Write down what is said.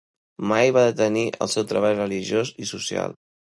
Mai va detenir el seu treball religiós i social.